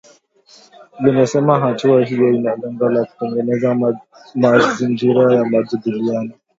Limesema hatua hiyo ina lengo la kutengeneza mazingira ya majadiliano